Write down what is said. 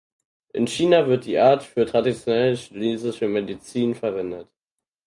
In China wird die Art für traditionelle chinesische Medizin verwendet.